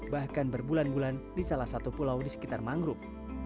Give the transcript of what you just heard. bahkan berbulan bulan di salah satu pulau di sekitar mangrove